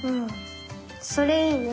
それいいね。